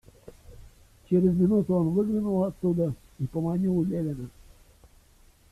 Через минуту он выглянул оттуда и поманил Левина.